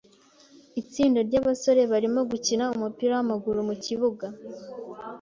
Itsinda ryabasore barimo gukina umupira wamaguru mukibuga.